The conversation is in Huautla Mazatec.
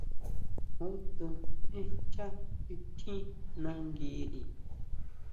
¿Jú tsú én xchá xi tjín nanguiri?